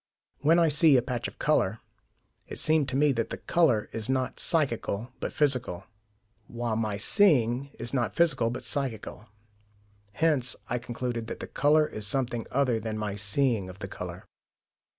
When I see a patch of colour, it seemed to me that the colour is not psychical, but physical, while my seeing is not physical, but psychical. Hence I concluded that the colour is something other than my seeing of the colour.